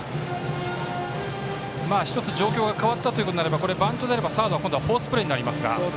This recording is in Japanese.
１つ、状況が変わったとなればバントであれば、サードは今度はフォースプレーになります。